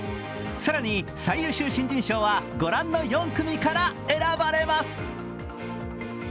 更に、最優秀新人賞は御覧の４組から選ばれます。